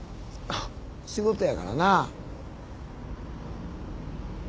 仕事やからな。